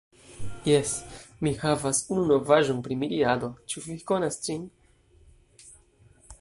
Jes, mi havas unu novaĵon pri Miriado. Ĉu vi konas ĝin?